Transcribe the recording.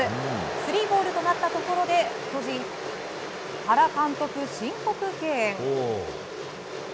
スリーボールとなったところで巨人、原監督、申告敬遠。